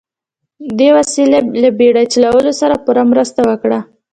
دې وسیلې له بیړۍ چلولو سره پوره مرسته وکړه.